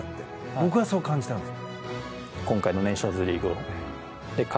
僕はそう感じているんです。